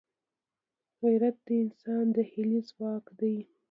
غیرت د انسان داخلي ځواک دی